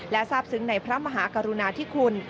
และทราบซึ้งในพระมหากรุณาธิคุณ